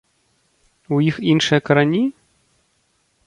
У іх іншыя карані?